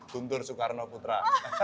guntur soekarno putra